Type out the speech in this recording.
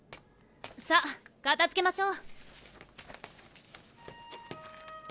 さっ片づけましょう。